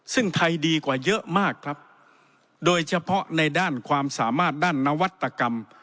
ซึ่งไทยดีกว่าเยอะมากครับโดยเฉพาะในด้านความสามารถด้านนวัตกรรม